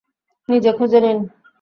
নিজে খুঁজে নিন।